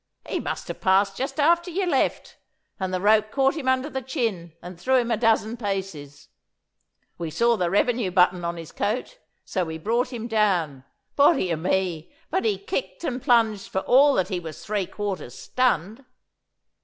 'He must have passed just after you left, and the rope caught him under the chin and threw him a dozen paces. We saw the revenue button on his coat, so we brought him down. Body o' me, but he kicked and plunged for all that he was three quarters stunned.